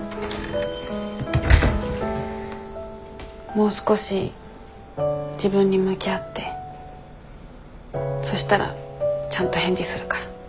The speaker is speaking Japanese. もう少し自分に向き合ってそしたらちゃんと返事するから。